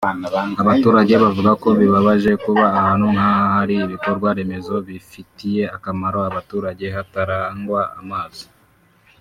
Abaturage bavuga ko bibabaje kuba ahantu nk’aha hari ibikorwa remezo bifitiye akamaro abaturage hatarangwa amazi